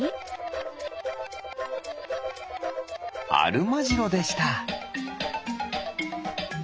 アルマジロでした！